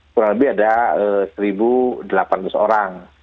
kurang lebih ada satu delapan ratus orang